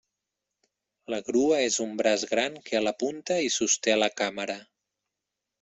La grua és un braç gran que a la punta hi sosté a la càmera.